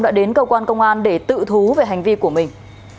đã đến cơ quan công an để tự thú về hành vi của mình